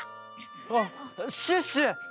あっシュッシュ！